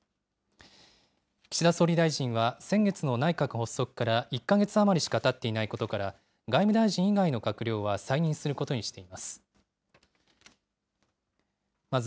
岸田総理大臣は、先月の内閣発足から１か月余りしかたっていないことから、外務大臣以外の閣僚は再任することにしています。